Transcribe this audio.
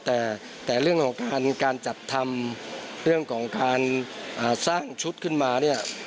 แต่เรื่องของการจัดทำเรื่องของการสร้างชุดขึ้นมาเนี่ย